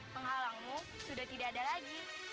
penghalangmu sudah tidak ada lagi